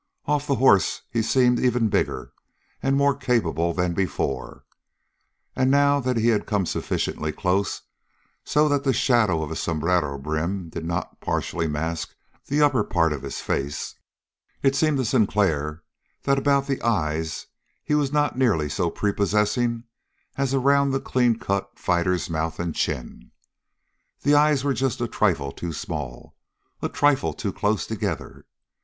Off the horse he seemed even bigger and more capable than before, and now that he had come sufficiently close, so that the shadow from his sombrero's brim did not partially mask the upper part of his face, it seemed to Sinclair that about the eyes he was not nearly so prepossessing as around the clean cut fighter's mouth and chin. The eyes were just a trifle too small, a trifle too close together.